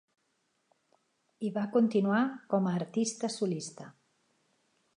i va continuar com a artista solista.